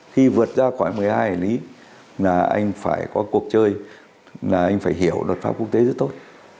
khi vượt ra khỏi một mươi hai hải lý là anh phải có cuộc chơi là anh phải hiểu luật pháp quốc tế rất tốt